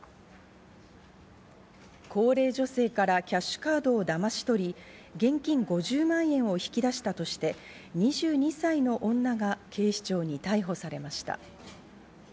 高齢女性からキャッシュカードをだまし取り、現金５０万円を引き出したとして、２２歳の女が警視庁に逮捕されました。